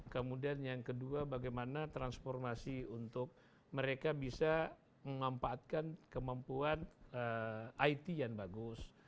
kemudian yang kedua bagaimana transformasi untuk mereka bisa memanfaatkan kemampuan it yang bagus